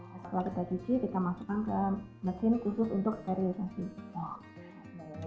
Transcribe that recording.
nah setelah kita cuci kita masukkan ke mesin khusus untuk sterilisasi